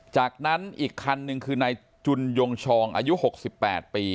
จากนั้นอีกคันหนึ่งคือในจุนยงชองอายุหกสิบแปดปี